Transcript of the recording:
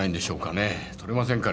取れませんか？